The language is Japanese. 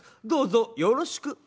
どうぞよろしく』。